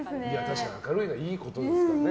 確かに明るいのはいいことですからね。